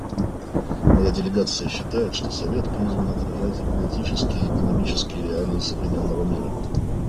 Моя делегация считает, что Совет призван отражать политические и экономические реалии современного мира.